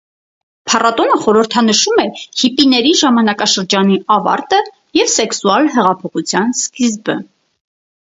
Փառատոնը խորհրդանշում է հիպիների ժամանակաշրջանի ավարտը և սեքսուալ հեղափոխության սկիզբը։